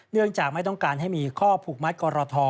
เนื่องจากไม่ต้องการให้มีข้อผูกมัดกรท